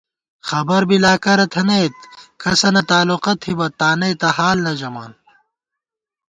خبر بی لا کرہ تھنَئیت ، کسَنہ تالوقہ تھِبہ ، تانئ تہ حال نہ ژَمان